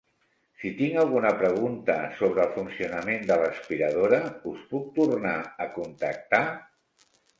Si tinc alguna pregunta sobre el funcionament de l'aspiradora, us puc tornar a contactar?